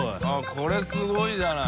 Δこれすごいじゃない。